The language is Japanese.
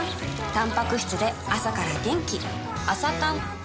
たんぱく質で朝から元気